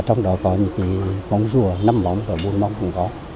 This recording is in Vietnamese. trong đó có những món rùa năm món và bốn món cũng có